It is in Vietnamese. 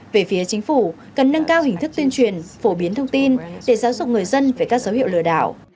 về phía chính phủ cần nâng cao hình thức tuyên truyền phổ biến thông tin để giáo dục người dân về các dấu hiệu lừa đảo